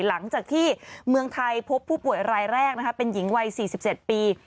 หลังจากที่เมืองไทยพบผู้ป่วยรายแรกเป็นหญิงวัย๔๗ปี